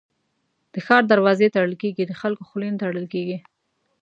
د ښار دروازې تړل کېږي ، د خلکو خولې نه تړل کېږي.